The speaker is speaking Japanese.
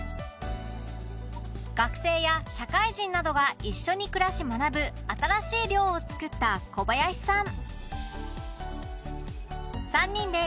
学生や社会人などが一緒に暮らし学ぶ新しい寮を作った小林さん。